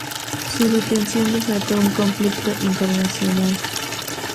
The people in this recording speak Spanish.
Su detención desató un conflicto internacional.